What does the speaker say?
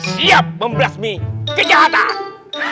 siap memperlasmi kejahatan